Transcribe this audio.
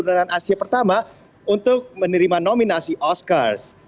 dan di dunia asia pertama untuk menerima nominasi oscars